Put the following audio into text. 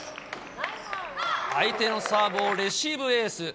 相手のサーブをレシーブエース。